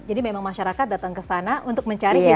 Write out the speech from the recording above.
jadi memang masyarakat datang ke sana untuk menikmati pajak hiburan